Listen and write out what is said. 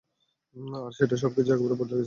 আর সেটার পর, সবকিছুই একেবারে বদলে গেছে।